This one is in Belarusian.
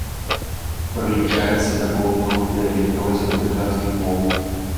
Прылічаецца да паўднёвых дыялектаў азербайджанскай мовы.